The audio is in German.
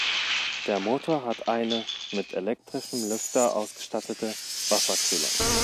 Der Motor hat eine, mit elektrischem Lüfter ausgestattete, Wasserkühlung.